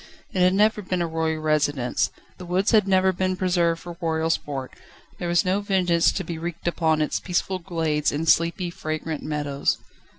It had never been a royal residence, the woods had never been preserved for royal sport: there was no vengeance to be wreaked upon its peaceful glades and sleepy, fragrant meadows.